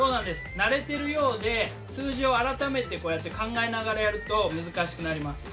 慣れてるようで数字を改めてこうやって考えながらやると難しくなります。